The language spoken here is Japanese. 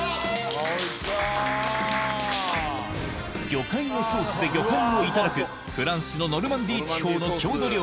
魚介のソースで魚介をいただくフランスのノルマンディー地方の郷土料理